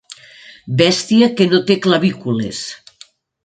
Bèstia que no té clavícules.